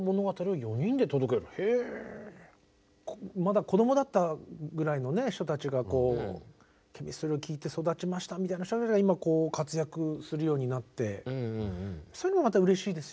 まだ子どもだったぐらいの人たちがＣＨＥＭＩＳＴＲＹを聴いて育ちましたみたいな人たちが今活躍するようになってそういうのがうれしいですよね。